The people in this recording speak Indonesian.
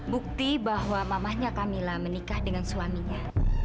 bukti bahwa mamahnya kamila menikah dengan suaminya